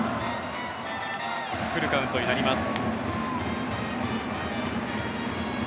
フルカウントになります。